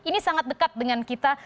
ini sangat dekat dengan kita